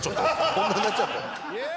「こんなになっちゃった」。